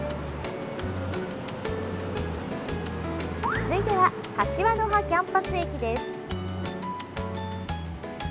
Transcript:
続いては柏の葉キャンパス駅です。